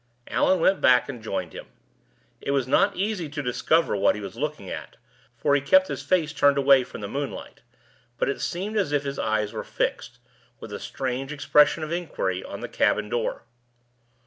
Allan went back and joined him. It was not easy to discover what he was looking at, for he kept his face turned away from the moonlight; but it seemed as if his eyes were fixed, with a strange expression of inquiry, on the cabin door.